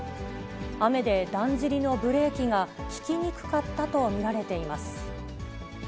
雨でだんじりのブレーキが利きにくかったと見られています。